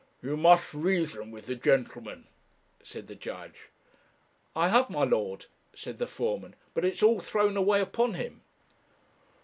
'You must reason with the gentleman,' said the judge. 'I have, my lord,' said the foreman, 'but it's all thrown away upon him.'